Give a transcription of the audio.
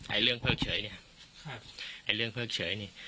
เรื่องเพิกเฉยเนี่ยครับไอ้เรื่องเพิกเฉยเนี่ย